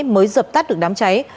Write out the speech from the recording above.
mới dập tắt được đám cháy